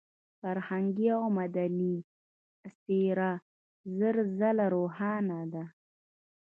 فرهنګي او مدني څېره زر ځله روښانه ده.